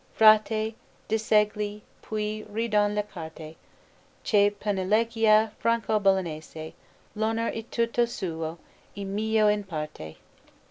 Frate, diss'egli, più ridon le carte Che pennelleggia Franco Bolognese; L'onor è tutto suo, e mio in parte.